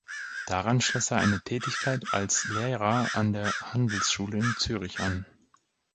Daran schloss er eine Tätigkeit als Lehrer an der Handelsschule in Zürich an.